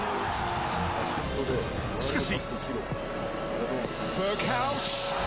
しかし。